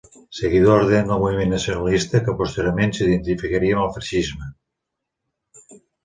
Seguidor ardent del moviment nacionalista, que posteriorment s'identificaria amb el feixisme.